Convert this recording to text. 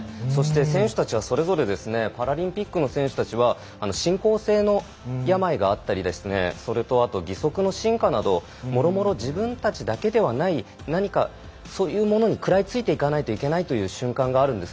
選手たちは、それぞれパラリンピックの選手たちは進行性の病があったりそれと、あと義足の進化などもろもろ自分たちだけではない何か、そういうものに食らいついていかなければいけない瞬間があるんです。